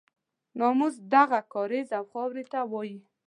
ناموس دغه کاریز او خاورې ته وایي.